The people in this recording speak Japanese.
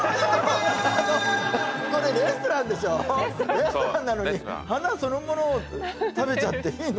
レストランなのに花そのものを食べちゃっていいの？